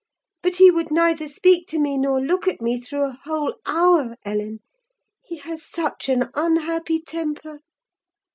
But he would neither speak to me nor look at me, through a whole hour, Ellen: he has such an unhappy temper.